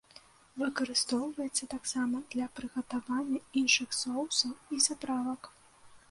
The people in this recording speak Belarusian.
Выкарыстоўваецца таксама для прыгатавання іншых соусаў і заправак.